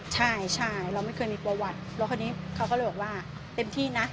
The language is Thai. ใช่ใช่เราไม่เคยมีประวัติแล้วคราวนี้เขาก็เลยบอกว่าเต็มที่นะ